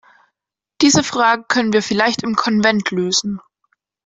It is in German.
Diese Fragen können wir vielleicht im Konvent lösen.